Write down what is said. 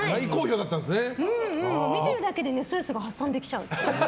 見てるだけでストレスが発散できちゃう。